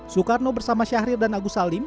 soekarno bersama syahrir dan agus salim